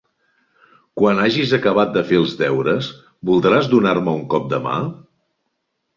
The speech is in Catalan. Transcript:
Quan hagis acabat de fer els deures, voldràs donar-me un cop de mà?